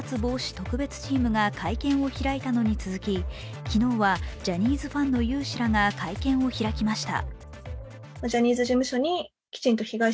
特別チームが会見を開いたのに続き昨日はジャニーズファンの有志らが会見を開きました。